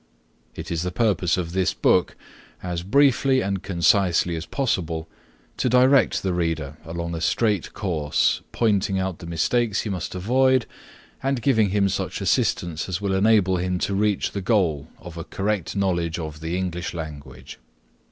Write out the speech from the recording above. It is the purpose of this book, as briefly and concisely as possible, to direct the reader along a straight course, pointing out the mistakes he must avoid and giving him such assistance as will enable him to reach the goal of a correct knowledge of the English language.